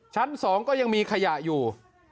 ชั้น๒ก็ยังมีขยะอยู่